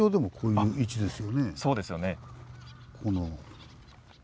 あっそうですよね。